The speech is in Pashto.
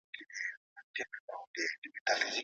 اته وروسته له اوو راځي.